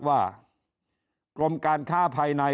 ว่ากรมการค้าภายใน